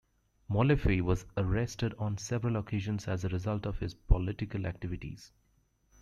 Molefe was arrested on several occasions as a result of his political activities.